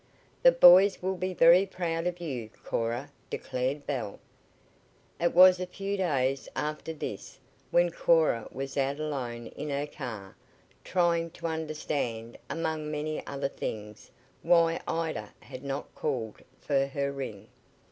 "The boys will be very proud of you, Cora," declared Belle. It was a few days after this when Cora was out alone in her car, trying to understand, among many other things, why Ida had not called for her ring.